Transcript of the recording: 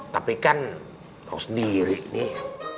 tapi kan tau sendiri nih